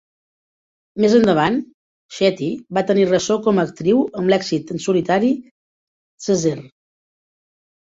Més endavant, Shetty va tenir ressò com a actriu amb l'èxit en solitari "Zeher".